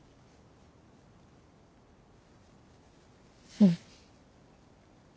うん。